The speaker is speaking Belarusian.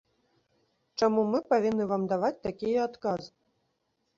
Чаму мы павінны вам даваць такія адказы?